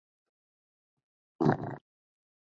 贝尔特奈。